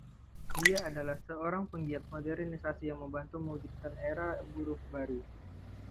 Dia adalah seorang penggiat modernisasi yang membantu mewujudkan era Buruh Baru.